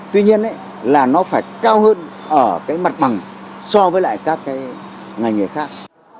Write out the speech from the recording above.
tuy nhiên nó phải cao hơn ở mặt bằng so với các ngành nghề khác